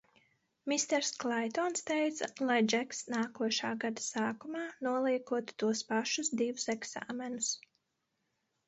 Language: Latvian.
Misters Klaitons teica, lai Džeks nākošā gada sākumā noliekot tos pašus divus eksāmenus.